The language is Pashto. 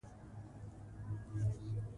کانديد اکاډميسن هغه د علمي ژورنالونو همکار و.